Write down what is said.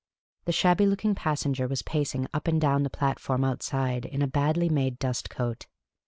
The shabby looking passenger was pacing up and down the platform outside in a badly made dust coat.